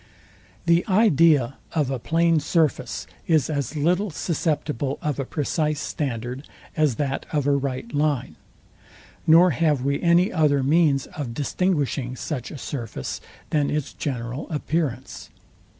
The idea of a plain surface is as little susceptible of a precise standard as that of a right line; nor have we any other means of distinguishing such a surface, than its general appearance.